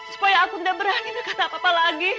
supaya aku tidak berani berkata apa apa lagi